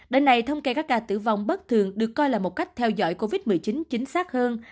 đến nay thông kê các ca tử vong bất thường được coi là một cách theo dõi covid một mươi chín chính xác hơn